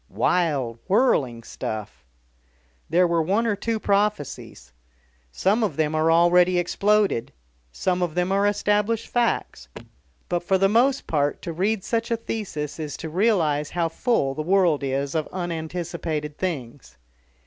Wild, whirling stuff. There were one or two prophecies. Some of them are already exploded, some of them are established facts. But for the most part to read such a thesis is to realise how full the world is of unanticipated things.